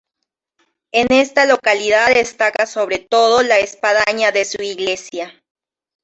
En esta localidad destaca sobre todo la espadaña de su iglesia.